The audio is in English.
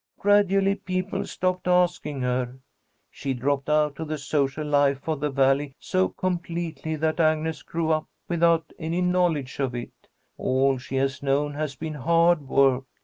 Gradually people stopped asking her. She dropped out of the social life of the Valley so completely that Agnes grew up without any knowledge of it. All she has known has been hard work.